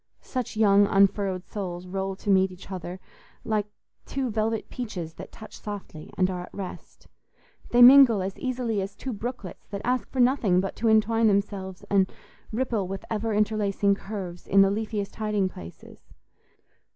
Such young unfurrowed souls roll to meet each other like two velvet peaches that touch softly and are at rest; they mingle as easily as two brooklets that ask for nothing but to entwine themselves and ripple with ever interlacing curves in the leafiest hiding places.